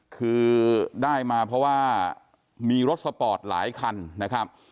คือได้มาเพราะว่ามีรถสปอร์ตหลายคันนะครับ